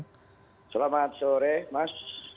selamat sore mas